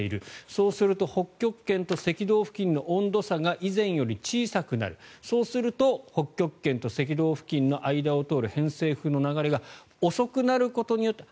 そうすると北極圏と赤道付近の温度差が以前より小さくなる、そうすると北極圏と赤道付近の間を通る偏西風の流れが遅くなることによって。